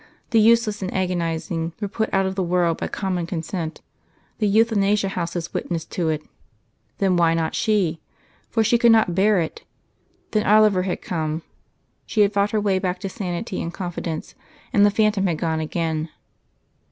The useless and agonising were put out of the world by common consent; the Euthanasia houses witnessed to it. Then why not she?... For she could not bear it!... Then Oliver had come, she had fought her way back to sanity and confidence; and the phantom had gone again.